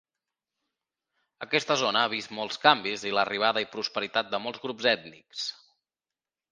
Aquesta zona ha vist molts canvis i l'arribada i prosperitat de molts grups ètnics.